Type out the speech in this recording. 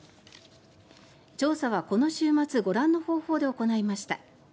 調査はこの週末ご覧の方法で行いました。